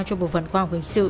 cho bộ phận khoa học hình sự